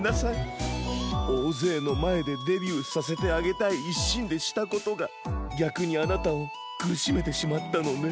おおぜいのまえでデビューさせてあげたいいっしんでしたことがぎゃくにあなたをくるしめてしまったのね。